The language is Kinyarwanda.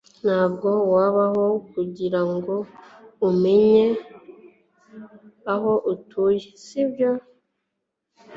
Ntabwo wabaho kugirango umenye aho atuye, sibyo? ()